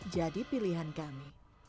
jadi pilihan kami